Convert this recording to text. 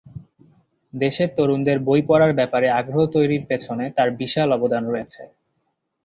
দেশের তরুণদের বই পড়ার ব্যাপারে আগ্রহ তৈরির পেছনে তাঁর বিশাল অবদান রয়েছে।